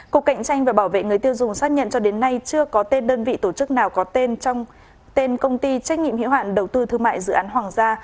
cục cạnh tranh và bảo vệ người tiêu dùng xác nhận cho đến nay chưa có tên đơn vị tổ chức nào có tên công ty trách nhiệm hiệu hạn đầu tư thương mại dự án hoàng gia